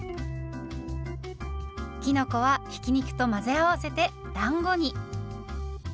きのこはひき肉と混ぜ合わせてだんごに。